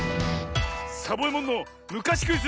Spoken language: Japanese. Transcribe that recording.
サボえもんのむかしクイズ